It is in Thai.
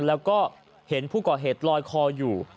แล้วก็เห็นผู้ก่อเหตุลอยคออยู่